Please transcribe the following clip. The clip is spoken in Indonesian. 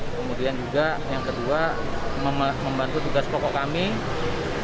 kemudian juga yang kedua membantu tugas pokok kami